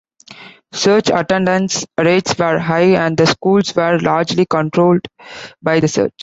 Church attendance rates were high, and the schools were largely controlled by the Church.